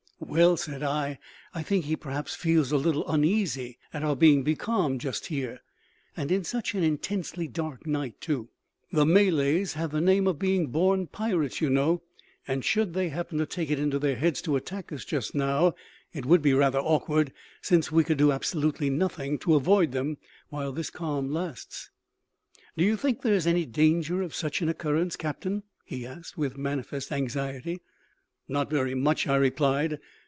"Well," said I, "I think he perhaps feels a little uneasy at our being becalmed just here, and in such an intensely dark night, too. The Malays have the name of being born pirates, you know, and should they happen to take it into their heads to attack us just now, it would be rather awkward, since we could do absolutely nothing to avoid them while this calm lasts." "Do you think there is any danger of such an occurrence, captain?" he asked, with manifest anxiety. "Not very much," I replied.